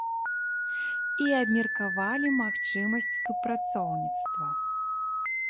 І абмеркавалі магчымасць супрацоўніцтва.